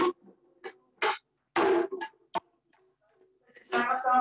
失敗しました！